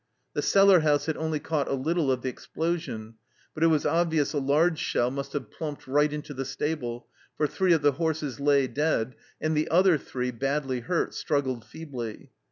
The cellar house had only caught a little of the explosion, but it was obvious a large shell must have plumped right into the stable, for three of the horses lay dead, and the other three, badly hurt, struggled feebly.